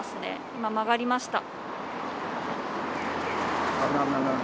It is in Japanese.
今、曲がりました。